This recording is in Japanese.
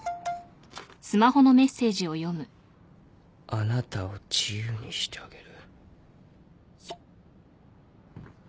「あなたを自由にしてあげる」